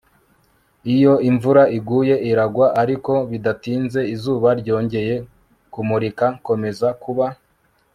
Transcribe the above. iyo imvura iguye, iragwa? ariko bidatinze, izuba ryongeye kumurika. komeza kuba